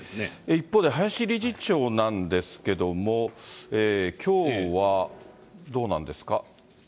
一方で林理事長なんですけども、きょうはどうなんですか？